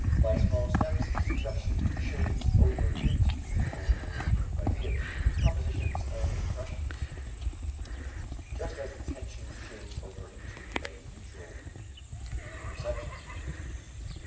By small steps suggestion shades over into the ordinary exchange of ideas, propositions, and impressions, just as attention shades over into a neutral perception.